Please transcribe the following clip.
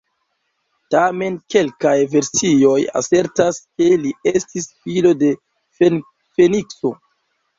Tamen, kelkaj versioj asertas ke li estis filo de Fenikso.